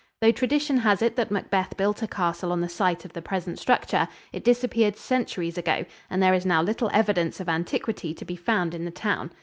Though tradition has it that Macbeth built a castle on the site of the present structure, it disappeared centuries ago, and there is now little evidence of antiquity to be found in the town.